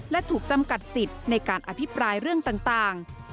และถูกจำกัดสิทธิ์ในการอภิปรายเรื่องต่าง